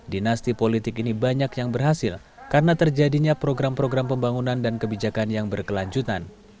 dinasti politik ini banyak yang berhasil karena terjadinya program program pembangunan dan kebijakan yang berkelanjutan